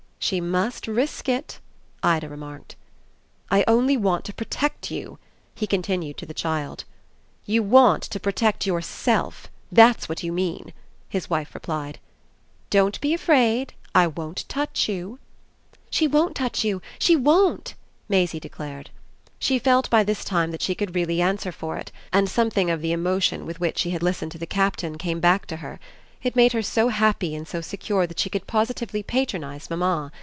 "She must risk it," Ida remarked. "I only want to protect you," he continued to the child. "You want to protect yourself that's what you mean," his wife replied. "Don't be afraid. I won't touch you." "She won't touch you she WON'T!" Maisie declared. She felt by this time that she could really answer for it, and something of the emotion with which she had listened to the Captain came back to her. It made her so happy and so secure that she could positively patronise mamma.